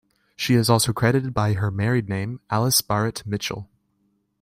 She is also credited by her married name, Alice Barrett-Mitchell.